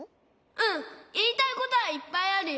うんいいたいことはいっぱいあるよ。